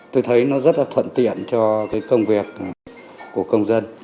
tôi thấy nó rất là thuận tiện cho cái công việc của công dân